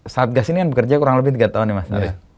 satgas ini kan bekerja kurang lebih tiga tahun ya mas